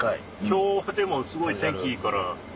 今日はでもすごい天気いいから。